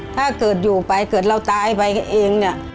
ถ้าเกิดอยู่ไปเกิดเราตายไปเองเนี่ย